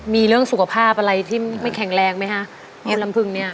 มีเรื่องสุขภาพอะไรที่ไม่แข็งแรงไหมคะแม่ลำพึงเนี่ย